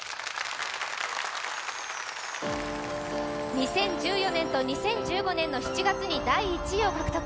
２０１４年と２０１５年の７月に第１位を獲得。